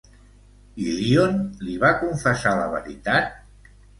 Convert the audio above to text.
Ilíone li va confessar la veritat?